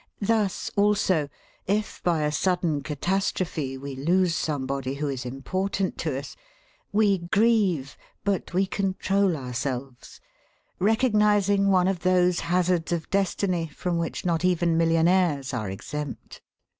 Thus also, if by a sudden catastrophe we lose somebody who is important to us, we grieve, but we control ourselves, recognising one of those hazards of destiny from which not even millionaires are exempt.